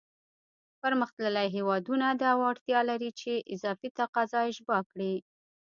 پرمختللی هېوادونه دا وړتیا لري چې اضافي تقاضا اشباع کړي.